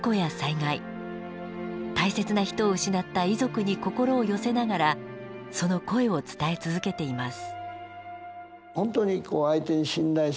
大切な人を失った遺族に心を寄せながらその声を伝え続けています。